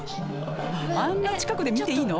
あんな近くで見ていいの？